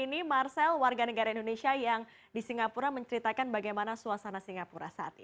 ini marcel warga negara indonesia yang di singapura menceritakan bagaimana suasana singapura saat ini